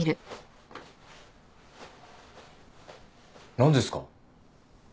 何ですか？